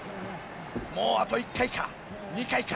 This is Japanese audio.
もうあと１回か２回か。